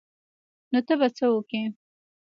نو ته به څه وکې.